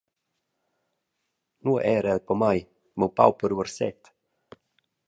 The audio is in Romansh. Nua era el pomai, miu pauper uorset?